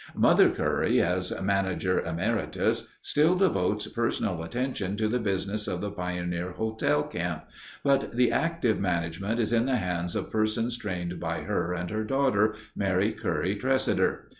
"Mother" Curry, as "Manager Emeritus," still devotes personal attention to the business of the pioneer hotel camp but the active management is in the hands of persons trained by her and her daughter, Mary Curry Tresidder.